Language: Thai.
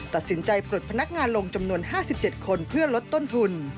ตัดสินใจปลดพนักงานลงจำนวน๕๗คนเพื่อลดต้นทุน